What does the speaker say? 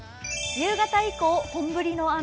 夕方以降本降りの雨。